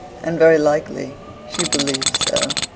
And very likely she believed so.